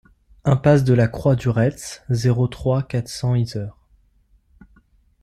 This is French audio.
Impasse de la Croix du Retz, zéro trois, quatre cents Yzeure